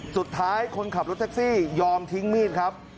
จุดท้ายคนขับรถเทคที่ยอมทิ้งมีดครับ